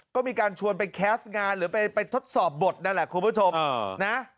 ก็มีการชวนไปแคสต์งานหรือไปทดสอบบทนั่นแหละคุณผู้ชมนะ